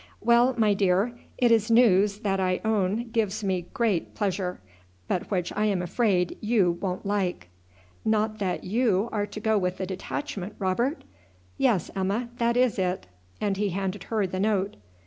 "Well, my dear, it is news that I own gives me great pleasure, but which I am afraid you won't like." "Not that you are to go with the detachment, Robert?" "Yes, Emma, that is it;" and he handed her the note.